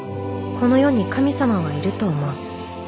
この世に神様はいると思う。